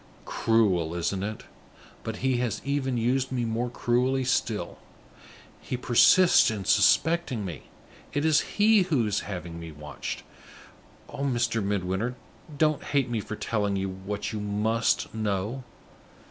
Cruel, isn't it? But he has even used me more cruelly still; he persists in suspecting me; it is he who is having me watched. Oh, Mr. Midwinter, don't hate me for telling you what you must know!